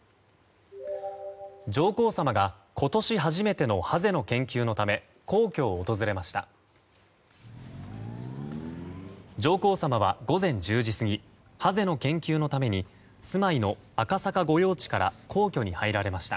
上皇さまが今年初めてのハゼの研究のため皇居を訪れました。